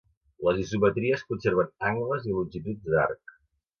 Les isometries conserven angles i longituds d'arc.